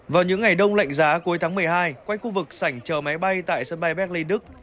vào những ngày đông lệnh giá cuối tháng một mươi hai quanh khu vực sảnh trờ máy bay tại sân bay berlin đức